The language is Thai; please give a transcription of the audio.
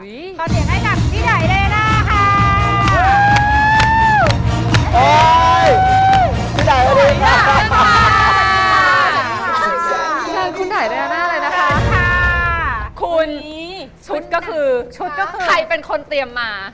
เค้าเดี่ยงให้กับพี่ด่ายด่างน่าค่า